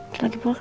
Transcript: tentu pun kenapa